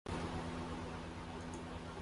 Somdev French Open से बाहर